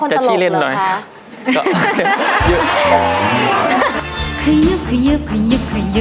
ชอบคนตลกเลยค่ะ